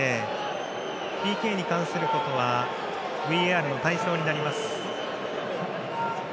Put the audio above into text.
ＰＫに関することはＶＡＲの対象になります。